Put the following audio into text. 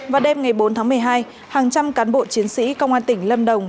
vào đêm ngày bốn tháng một mươi hai hàng trăm cán bộ chiến sĩ công an tỉnh lâm đồng